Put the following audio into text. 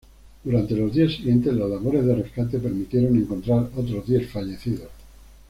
Durante los días siguientes, las labores de rescate permitieron encontrar otros diez fallecidos.